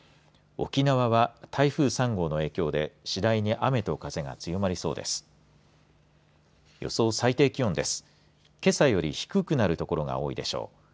沖縄は台風３号の影響で次第に雨と風が強まりそうです。